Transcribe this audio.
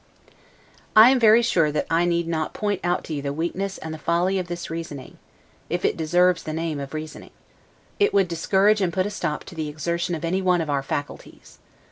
I am very sure that I need not point out to you the weakness and the folly of this reasoning, if it deserves the name of reasoning. It would discourage and put a stop to the exertion of any one of our faculties.